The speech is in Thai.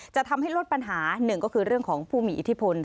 จะทำให้ลดปัญหาหนึ่งก็คือเรื่องของผู้มีอิทธิพล